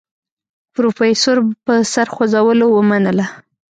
پروفيسر په سر خوځولو ومنله.